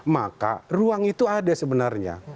maka ruang itu ada sebenarnya